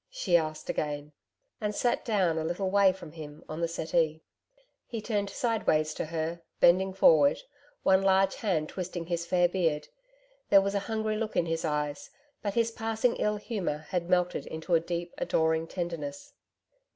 she asked again, and sat down, a little way from him, on the settee. He turned sideways to her, bending forward, one large hand twisting his fair beard. There was a hungry look in his eyes, but his passing ill humour had melted into a deep, adoring tendeness.